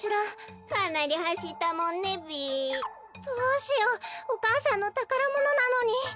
どうしようお母さんのたからものなのに。